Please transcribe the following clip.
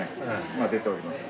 今出ております。